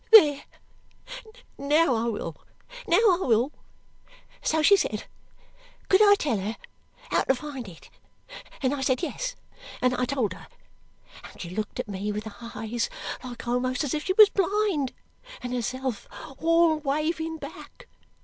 "There! Now I will, now I will. So she said, could I tell her how to find it, and I said yes, and I told her; and she looked at me with eyes like almost as if she was blind, and herself all waving back.